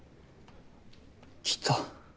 来た。